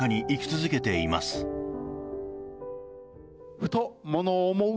ふと、ものを思う。